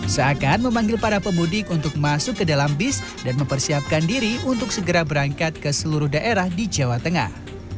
seakan memanggil para pemudik untuk masuk ke dalam bis dan mempersiapkan diri untuk segera berangkat ke seluruh daerah di jawa tengah